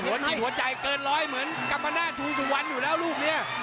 โหหัวใจเกินร้อยเหมือนกัมพะน่าชูสุวรรณอยู่แล้วลูกเนี่ย